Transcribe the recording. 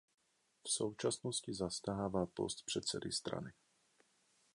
V současnosti zastává post předsedy strany.